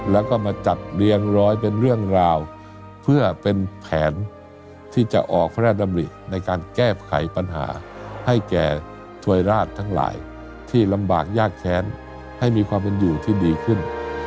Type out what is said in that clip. แล้วก็มาจัดเรียงร้อยเป็นเรื่องราวเพื่อเป็นแผนที่จะออกพระราชดำริในการแก้ไขปัญหาให้แก่ถวยราชทั้งหลายที่ลำบากยากแค้นให้มีความเป็นอยู่ที่ดีขึ้น